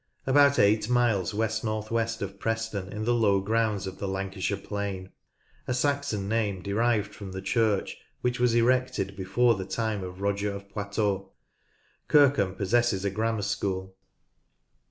About eight miles west north west of Preston, in the low grounds of the Lancashire plain. A Saxon name derived from the church, which was erected before ?' f f Lancaster Grammar School the time of Roger of Poitou. Kirkham possesses a grammar school.